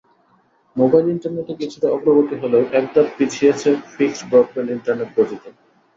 Mobile ইন্টারনেটে কিছুটা অগ্রগতি হলেও এক ধাপ পিছিয়েছে ফিক্সড ব্রডব্যান্ড ইন্টারনেট গতিতে।